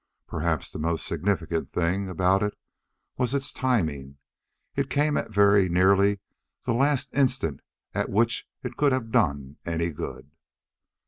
Perhaps the most significant thing about it was its timing. It came at very nearly the latest instant at which it could have done any good.